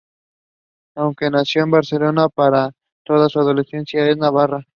Aunque nació en Barcelona, pasó toda su adolescencia en Navarra.